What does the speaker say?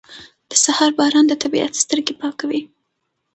• د سهار باران د طبیعت سترګې پاکوي.